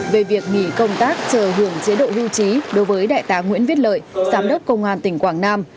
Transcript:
về việc nghỉ công tác chờ hưởng chế độ hưu trí đối với đại tá nguyễn viết lợi giám đốc công an tỉnh quảng nam